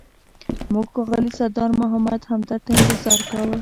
موږ ښاغلي سردار محمد همدرد ته انتظار کاوه.